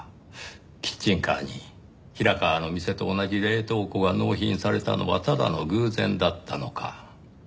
キッチンカーに平川の店と同じ冷凍庫が納品されたのはただの偶然だったのか？